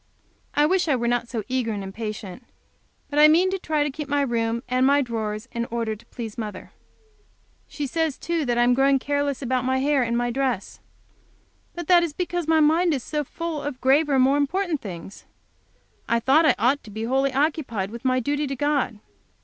I wish I were not so eager and impatient. But I mean to try to keep my room and my drawers in order, to please mother. She says, too, that I am growing careless about my hair and my dress. But that is because my mind is so full of graver, more important things. I thought I ought to be wholly occupied with my duty to God.